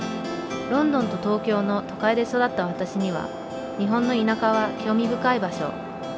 ロンドンと東京の都会で育った私には日本の田舎は興味深い場所。